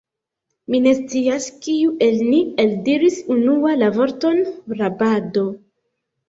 Mi ne scias, kiu el ni eldiris unua la vorton rabado.